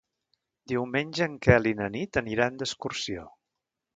Diumenge en Quel i na Nit aniran d'excursió.